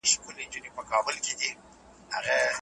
کله پاکه انرژي د کارونې وړ ګرځي؟